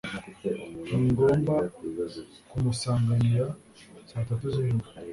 ningomba kumusanganira saa tatu zijoro